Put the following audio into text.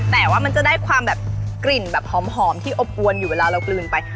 แต่ว่ามันจะได้ความแบบกลิ่นแบบหอมที่อบอวนอยู่เวลาเรากลืนไป